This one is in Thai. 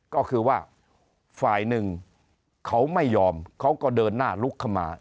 ก็คือว่าฝ่ายหนึ่งเขาไม่ยอมเขาก็เดินหน้าลุกเข้ามา